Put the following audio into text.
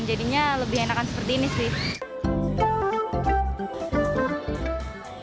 jadinya lebih enakan seperti ini sih